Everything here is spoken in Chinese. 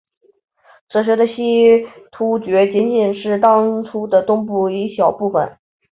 此时的西突厥仅仅是当初的东边一小部分。